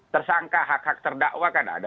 tersangka hak hak terdakwa kan ada